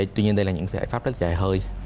tuy nhiên đây là những giải pháp rất dài hơi